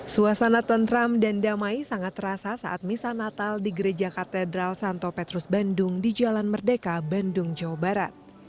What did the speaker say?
suasana tentram dan damai sangat terasa saat misa natal di gereja katedral santo petrus bandung di jalan merdeka bandung jawa barat